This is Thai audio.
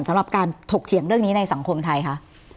สำหรับการถกเถียงเรื่องนี้ในสังคมไทยคะ